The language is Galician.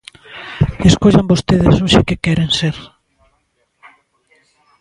Escollan vostedes hoxe que queren ser.